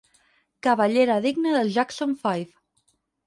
Cabellera digna dels Jackson Five.